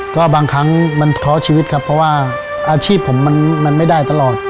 ก็บางครั้งมันท้อชีวิตครับเพราะว่าอาชีพผมมันไม่ได้ตลอด